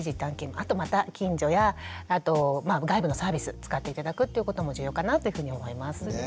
あとまた近所やあと外部のサービス使って頂くということも重要かなというふうに思います。